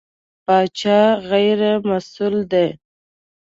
پاچا غېر مسوول دی.